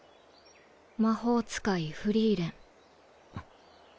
魔法使いフリーレン。